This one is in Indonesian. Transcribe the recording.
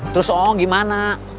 terus ong gimana